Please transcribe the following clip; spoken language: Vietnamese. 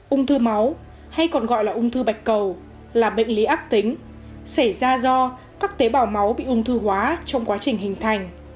ung thư máu hay còn gọi là ung thư bạch cầu là bệnh lý ác tính xảy ra do các tế bào máu bị ung thư hóa trong quá trình hình thành